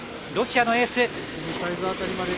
ロシアのエース。